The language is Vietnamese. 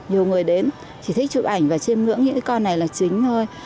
nhiều người đến chỉ thích chụp ảnh và chiêm ngưỡng những con này là chính thôi